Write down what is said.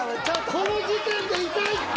この時点で痛いって！